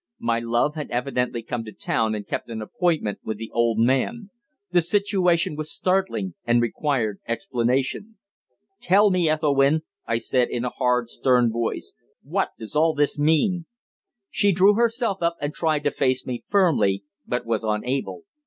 My love had evidently come to town and kept an appointment with the old man. The situation was startling, and required explanation. "Tell me, Ethelwynn," I said, in a hard, stern voice. "What does all this mean?" She drew herself up and tried to face me firmly, but was unable.